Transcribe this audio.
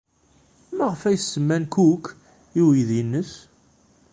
Maɣef ay as-semman Cook i uydi-nnes?